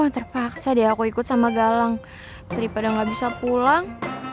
terpaksa dia ikut sama galang beribadah nggak bisa pulang